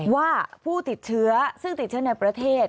ว่าผู้ติดเชื้อซึ่งติดเชื้อในประเทศ